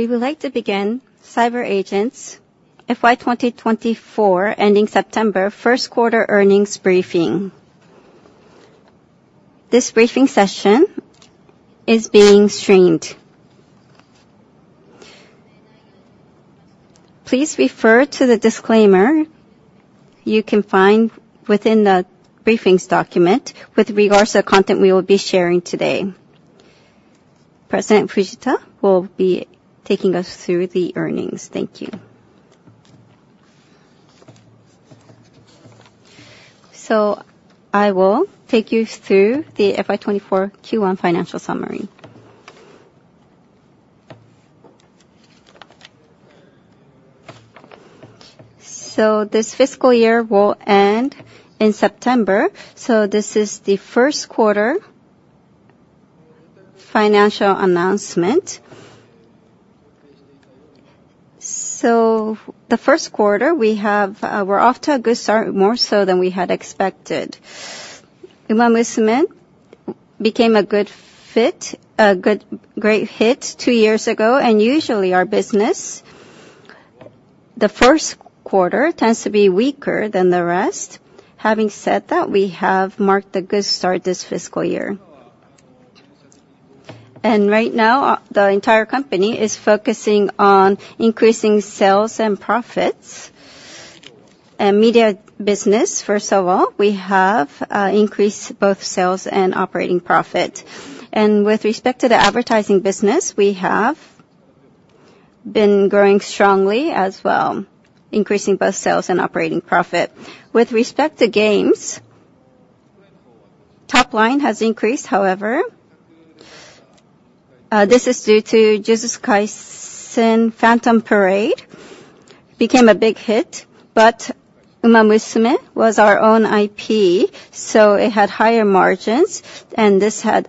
We would like to begin CyberAgent's FY 2024, ending September Q1 briefing. This briefing session is being streamed. Please refer to the disclaimer you can find within the briefings document with regards to the content we will be sharing today. President Fujita will be taking us through the earnings. Thank you. So I will take you through the FY 2024 Q1 financial summary. So this fiscal year will end in September, so this is the Q1 financial announcement. So the Q1, we have, we're off to a good start, more so than we had expected. Uma Musume became a good fit, a good, great hit 2 years ago, and usually our business, the Q1 tends to be weaker than the rest. Having said that, we have marked a good start this fiscal year. Right now, the entire company is focusing on increasing sales and profits. Media business, first of all, we have increased both sales and operating profit. With respect to the advertising business, we have been growing strongly as well, increasing both sales and operating profit. With respect to games, top line has increased, however, this is due to Jujutsu Kaisen Phantom Parade became a big hit, but Uma Musume was our own IP, so it had higher margins, and this had,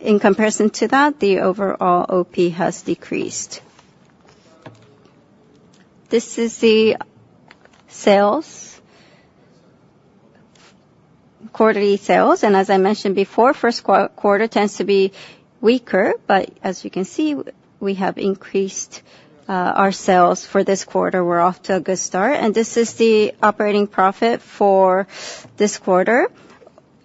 in comparison to that, the overall OP has decreased. This is the sales, quarterly sales, and as I mentioned before, Q1 tends to be weaker, but as you can see, we have increased our sales for this quarter. We're off to a good start. This is the operating profit for this quarter.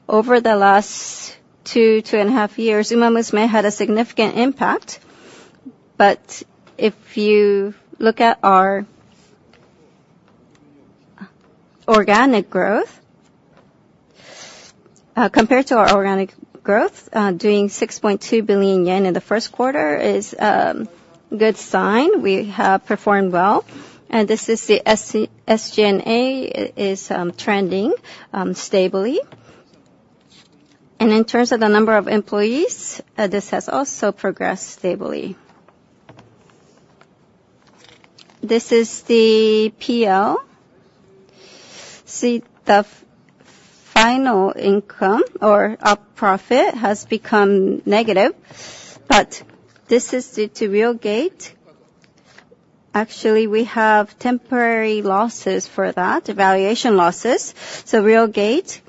Over the last two, two and a half years, Uma Musume had a significant impact. But if you look at our organic growth, compared to our organic growth, doing 6.2 billion yen in the first Q1 is, good sign. We have performed well, and this is the SG&A is trending stably. And in terms of the number of employees, this has also progressed stably. This is the PL. See, the final income or OP has become negative, but this is due to Realgate. Actually, we have temporary losses for that, valuation losses. So Realgate,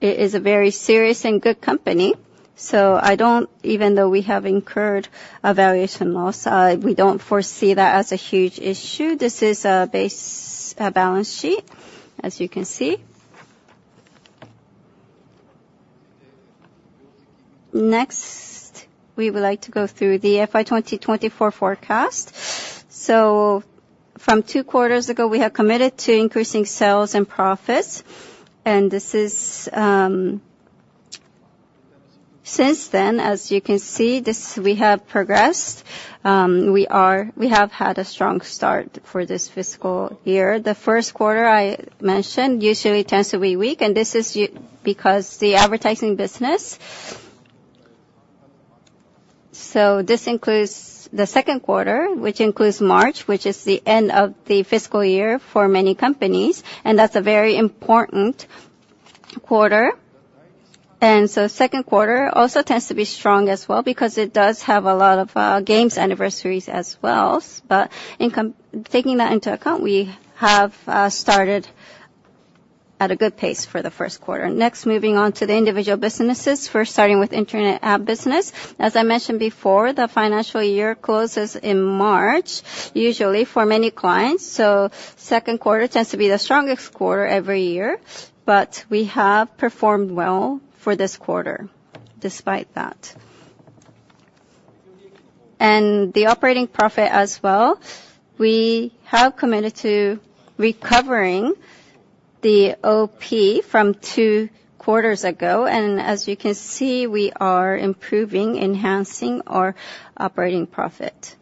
it is a very serious and good company, so I don't even though we have incurred a valuation loss, we don't foresee that as a huge issue. This is a B/S, a balance sheet, as you can see. Next, we would like to go through the FY 2024 forecast. From Q2 ago, we have committed to increasing sales and profits, and this is, since then, as you can see, we have progressed. We have had a strong start for this fiscal year. The Q1, I mentioned, usually tends to be weak, and this is because the advertising business. So this includes the Q2, which includes March, which is the end of the fiscal year for many companies, and that's a very important quarter. Q2 also tends to be strong as well because it does have a lot of games anniversaries as well. But in taking that into account, we have started at a good pace for the Q1. Next, moving on to the individual businesses. First, starting with Internet Ad business. As I mentioned before, the financial year closes in March, usually for many clients, so Q2 tends to be the strongest quarter every year. But we have performed well for this quarter, despite that. And the operating profit as well, we have committed to recovering the OP from Q2 ago, and as you can see, we are improving, enhancing our operating profit.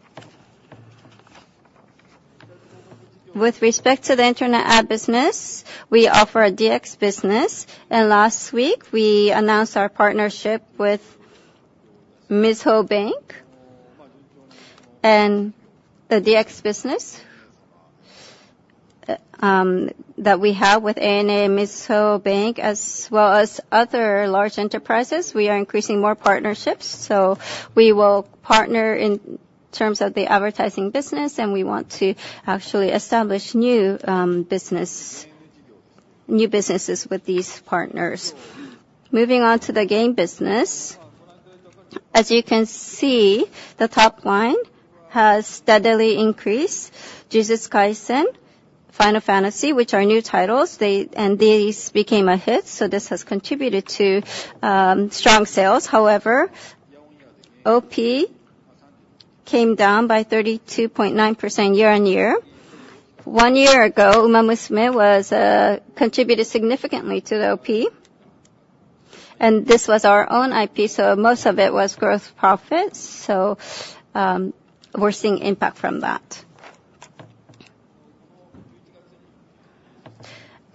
With respect to the internet ad business, we offer a DX business, and last week, we announced our partnership with Mizuho Bank. And the DX business that we have with ANA, Mizuho Bank, as well as other large enterprises, we are increasing more partnerships. So we will partner in terms of the advertising business, and we want to actually establish new businesses with these partners. Moving on to the game business. As you can see, the top line has steadily increased. Jujutsu Kaisen, Final Fantasy, which are new titles, they and these became a hit, so this has contributed to strong sales. However, OP came down by 32.9% year-on-year. One year ago, Uma Musume contributed significantly to the OP, and this was our own IP, so most of it was gross profits. So, we're seeing impact from that.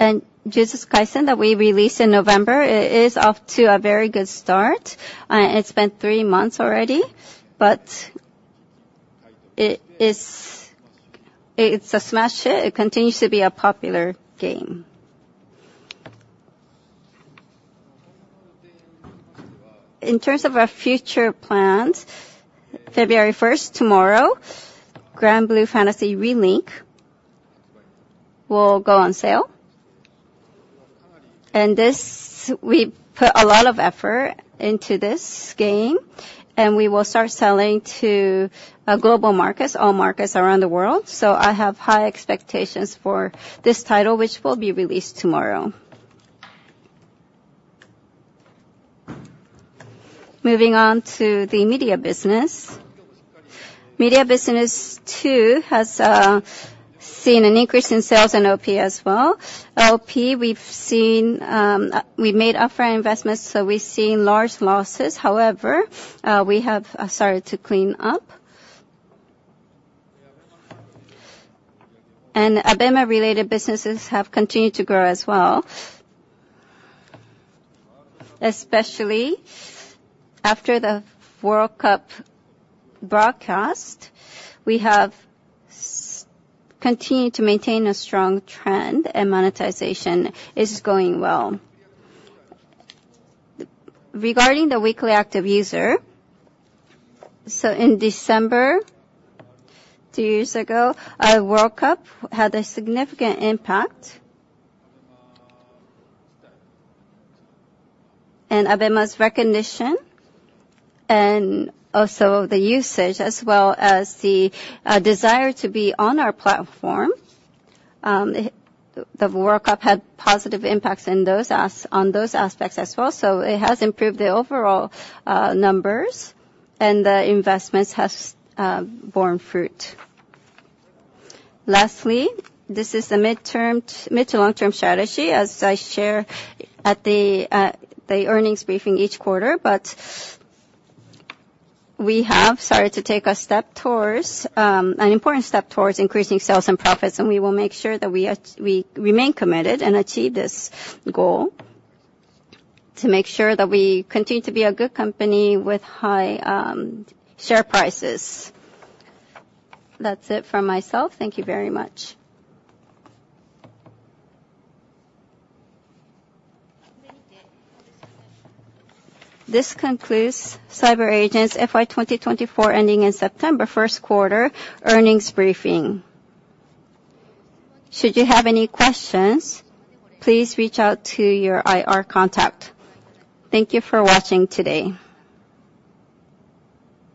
And Jujutsu Kaisen that we released in November, it is off to a very good start. It's been three months already, but it's a smash hit. It continues to be a popular game. In terms of our future plans, February first, tomorrow, Granblue Fantasy: Relink will go on sale, and this, we put a lot of effort into this game, and we will start selling to global markets, all markets around the world. So I have high expectations for this title, which will be released tomorrow. Moving on to the media business. Media business, too, has seen an increase in sales and OP as well. OP, we've seen we made up for our investments, so we've seen large losses. However, we have started to clean up. ABEMA-related businesses have continued to grow as well. Especially after the World Cup broadcast, we have continued to maintain a strong trend, and monetization is going well. Regarding the weekly active user, so in December, two years ago, our World Cup had a significant impact. ABEMA's recognition, and also the usage, as well as the desire to be on our platform, the World Cup had positive impacts in those on those aspects as well, so it has improved the overall numbers, and the investments has borne fruit. Lastly, this is the mid- to long-term strategy, as I share at the earnings briefing each quarter. We have started to take a step towards an important step towards increasing sales and profits, and we will make sure that we remain committed and achieve this goal to make sure that we continue to be a good company with high share prices. That's it from myself. Thank you very much. This concludes CyberAgent's FY 2024 ending in September Q1 earnings briefing. Should you have any questions, please reach out to your IR contact. Thank you for watching today.